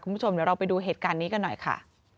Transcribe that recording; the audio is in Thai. คุณผู้ชมเดี๋ยวเราไปดูเหตุการณ์นี้กันหน่อยค่ะ